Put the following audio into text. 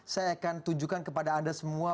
saya akan tunjukkan kepada anda semua